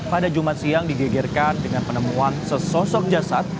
pada jumat siang digegerkan dengan penemuan sesosok jasad